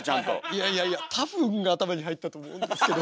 いやいやいや多分頭に入ったと思うんですけど。